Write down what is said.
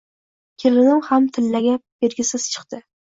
Kelinim ham tillaga bergisiz chiqdi